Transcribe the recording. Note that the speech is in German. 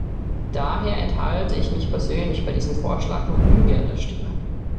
Daher enthalte ich mich persönlich bei diesem Vorschlag nur ungern der Stimme.